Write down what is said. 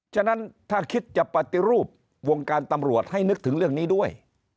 ฉะนั้นถ้าคิดจะปฏิรูปวงการตำรวจให้นึกถึงเรื่องนี้ด้วย